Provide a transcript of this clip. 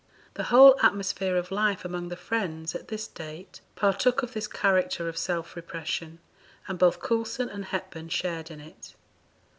The whole atmosphere of life among the Friends at this date partook of this character of self repression, and both Coulson and Hepburn shared in it.